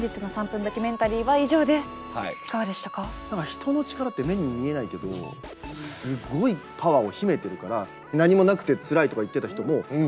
人の力って目に見えないけどすごいパワーを秘めてるから何もなくてつらいとか言ってた人もあるんですよ